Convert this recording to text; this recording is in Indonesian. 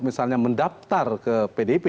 kemar ke pdip